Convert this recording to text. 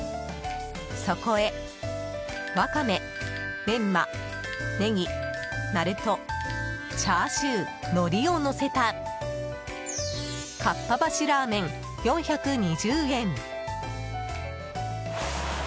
そこへワカメ、メンマ、ネギ、なるとチャーシュー、のりをのせたかっぱ橋らーめん、４２０円。